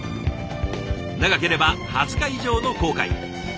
長ければ２０日以上の航海。